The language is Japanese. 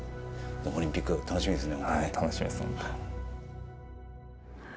オリンピック楽しみですね。